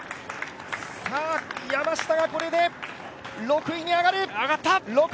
山下がこれで６位に上がる！